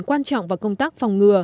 quan trọng vào công tác phòng ngừa